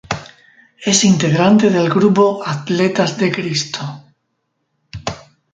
Es integrante del grupo Atletas de Cristo.